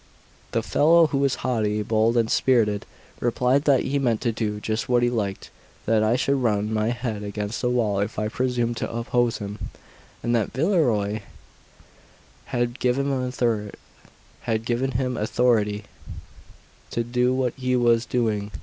The fellow, who was haughty, bold, and spirited, replied that he meant to do just what he liked; that I should run my head against a wall if I presumed to oppose him, and that Villerois had given him authority to do what he was doing.